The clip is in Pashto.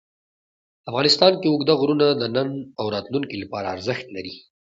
افغانستان کې اوږده غرونه د نن او راتلونکي لپاره ارزښت لري.